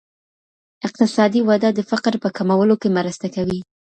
اقتصادي وده د فقر په کمولو کي مرسته کوي.